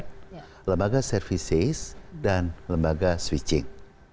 lembaga standar lembaga services dan lembaga switching